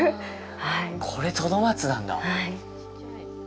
これトドマツなんだ。